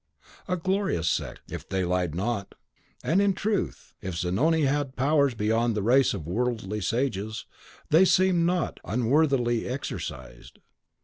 a glorious sect, if they lied not! And, in truth, if Zanoni had powers beyond the race of worldly sages, they seemed not unworthily exercised.